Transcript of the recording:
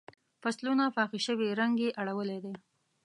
فصلونه پاخه شوي رنګ یې اړولی دی.